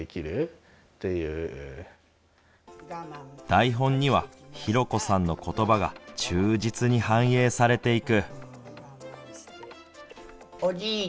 台本にはひろこさんのことばが忠実に反映されていく。